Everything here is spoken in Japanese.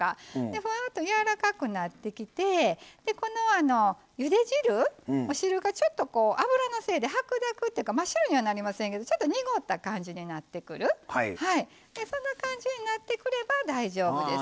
ふわーっとやわらかくなってきてこのゆで汁、お汁がちょっと油のせいで白濁というか真っ白にはなりませんけどちょっと濁った感じになってくれば大丈夫です。